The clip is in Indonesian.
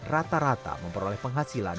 rata rata memperoleh penghasilan